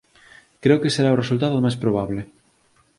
Creo que será o resultado máis probable